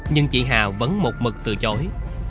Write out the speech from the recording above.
nhưng chị hà vẫn một mực từ chối